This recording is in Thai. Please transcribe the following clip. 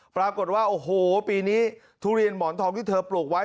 ปรากฏว่าโอ้โหปีนี้ทุเรียนหมอนทองที่เธอปลูกไว้